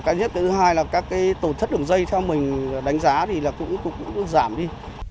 cái nhất thứ hai là các tổ chức đường dây theo mình đánh giá thì cũng giảm đi